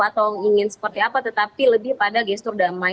atau ingin seperti apa tetapi lebih pada gestur damai